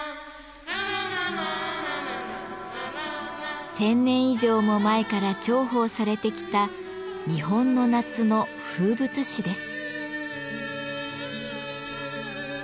１，０００年以上も前から重宝されてきた日本の夏の風物詩です。